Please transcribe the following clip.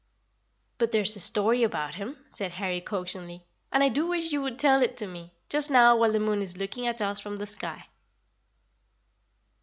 "But there is a story about him," said Harry coaxingly, "and I do wish you would tell it to me, just now while the moon is looking at us from the sky."